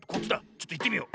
ちょっといってみよう。